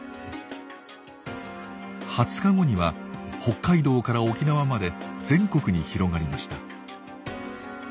２０日後には北海道から沖縄まで全国に広がりました。